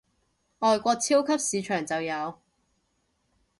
外國超級市場就有